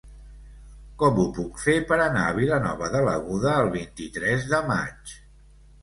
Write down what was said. Com ho puc fer per anar a Vilanova de l'Aguda el vint-i-tres de maig?